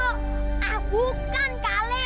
ah bukan kale